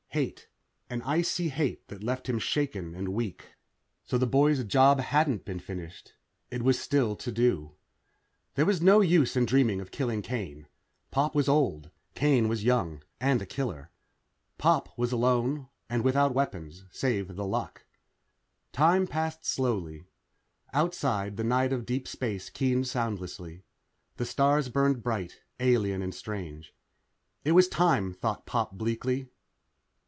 Hate. An icy hate that left him shaken and weak. So the boy's job hadn't been finished. It was still to do. There was no use in dreaming of killing Kane. Pop was old. Kane was young and a killer. Pop was alone and without weapons save The Luck.... Time passed slowly. Outside, the night of deep space keened soundlessly. The stars burned bright, alien and strange. It was time, thought Pop bleakly.